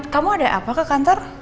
kamu ada apa ke kantor